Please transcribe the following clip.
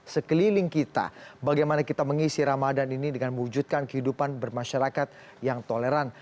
sekeliling kita bagaimana kita mengisi ramadan ini dengan mewujudkan kehidupan bermasyarakat yang toleran